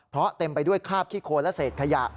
เพราะเต็มไปด้วยคราบขี้โคนและเศษขยะ